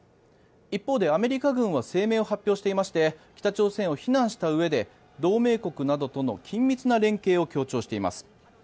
一方でアメリカ軍は声明を発表していまして北朝鮮を非難したうえで同盟国などとの緊密な連携を強調しています。